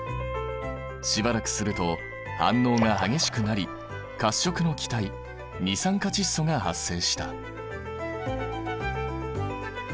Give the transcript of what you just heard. しばらくすると反応が激しくなり褐色の気体二酸化窒素が発生した。